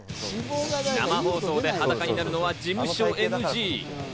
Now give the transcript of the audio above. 生放送で裸になるのは事務所ＮＧ。